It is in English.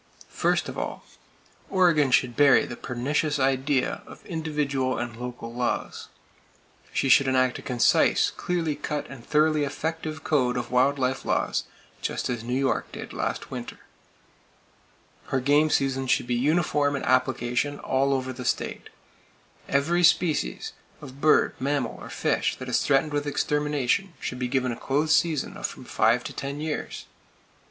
First of all, Oregon should bury the pernicious idea of individual and local laws. She should enact a concise, clearly cut, and thoroughly effective code of wild life laws, just as New York did last winter. Her game seasons should be uniform in application, all over the state. Every species of bird, mammal or fish that is threatened with extermination should be given a close season of from five to ten years.